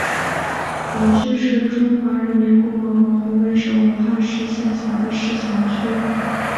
黄区是中华人民共和国湖北省武汉市下辖的市辖区。